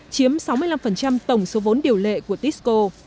chiếm sáu mươi năm tổng số vốn điều lệ của tisco